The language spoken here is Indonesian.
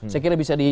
saya kira bisa di